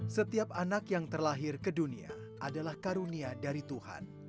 setiap anak yang terlahir ke dunia adalah karunia dari tuhan